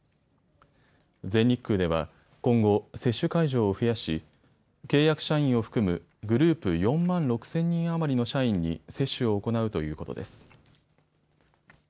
全日空では今後、接種会場を増やし契約社員を含むグループ４万６０００人余りの社員に接種を行うということです。